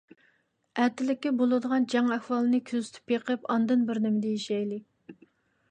ئەتىلىككە بولىدىغان جەڭ ئەھۋالىنى كۆزىتىپ بېقىپ ئاندىن بىرنېمە دېيىشەيلى.